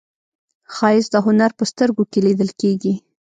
ښایست د هنر په سترګو کې لیدل کېږي